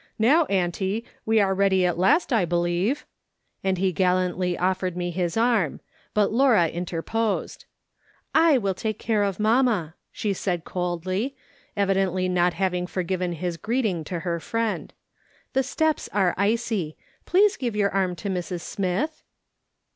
Now, auntie, we are ready at last, I believe," and he gallantly offered me his arm ; but Laura interposed : "I will take care of mamma," she said, coldly, evidently not having forgiven his greeting to her friend ;" the steps are icy ; please give your arm to Mrs. Smith."